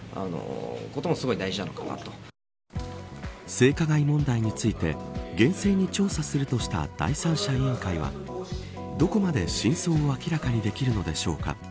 性加害問題について厳正に調査するとした第三者委員会はどこまで真相を明らかにできるのでしょうか。